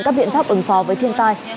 các biện pháp ứng phó với thiên tai